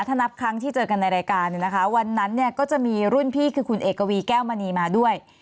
ถ้านับครั้งที่เจอกันในรายการเนี่ยนะคะวันนั้นเนี่ยก็จะมีรุ่นพี่คือคุณเอกวีแก้วมณีมาด้วย